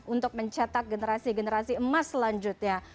untuk mencetak generasi generasi emas selanjutnya